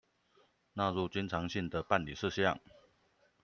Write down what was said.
納入經常性的辦理事項